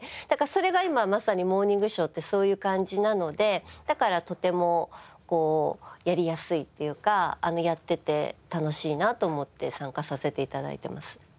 だからそれが今まさに『モーニングショー』ってそういう感じなのでだからとてもやりやすいっていうかやってて楽しいなと思って参加させて頂いてます。